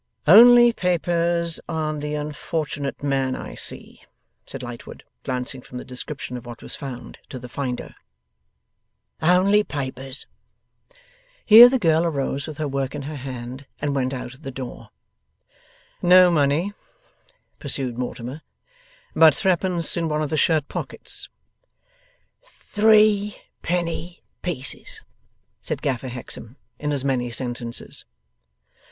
'Only papers on the unfortunate man, I see,' said Lightwood, glancing from the description of what was found, to the finder. 'Only papers.' Here the girl arose with her work in her hand, and went out at the door. 'No money,' pursued Mortimer; 'but threepence in one of the skirt pockets.' 'Three. Penny. Pieces,' said Gaffer Hexam, in as many sentences.